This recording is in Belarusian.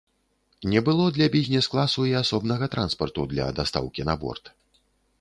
Не было для бізнес-класу і асобнага транспарту для дастаўкі на борт.